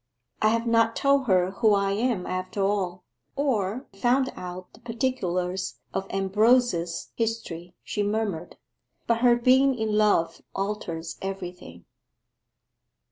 'I have not told her who I am after all, or found out the particulars of Ambrose's history,' she murmured. 'But her being in love alters everything.